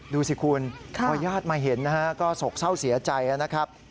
ดูสิคุณพอญาติมาเห็นนะฮะก็โศกเศร้าเสียใจนะครับ